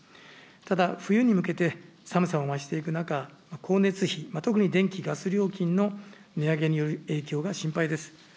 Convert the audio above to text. ただ、冬に向けて、寒さも増していく中、光熱費、特に電気、ガス料金の値上げによる影響が心配です。